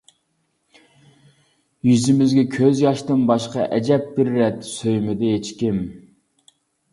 يۈزىمىزگە كۆز ياشتىن باشقا، ئەجەب بىر رەت سۆيمىدى ھېچكىم.